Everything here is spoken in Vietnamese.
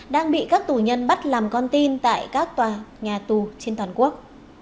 đang bị các tù nhân bắt làm con tin tại các tòa nhà tù trên toàn quốc